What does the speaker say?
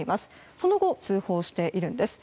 その後、通報しているんです。